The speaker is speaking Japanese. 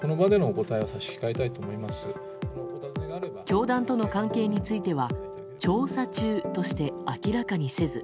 教団との関係については調査中として明らかにせず。